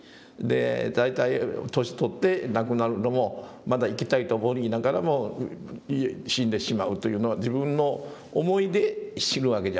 大体年取って亡くなるのもまだ生きたいと思いながらも死んでしまうというのは自分の思いで死ぬわけじゃないし。